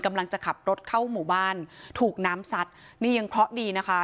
กำลังจะขับรถเข้าหมู่บ้านถูกน้ำซัดนี่ยังเคราะห์ดีนะคะ